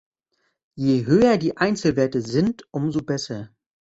Je höher die Einzelwerte sind umso besser.